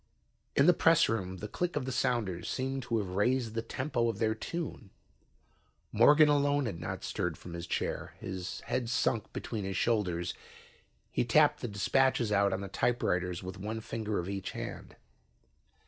In the pressroom the click of the sounders seemed to have raised the tempo of their tune. Morgan alone had not stirred from his chair. His head sunk between his shoulders, he tapped the dispatches out on the typewriters with one finger of each hand.